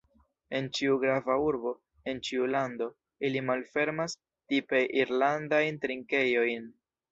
En ĉiu grava urbo, en ĉiu lando, ili malfermas “tipe irlandajn trinkejojn.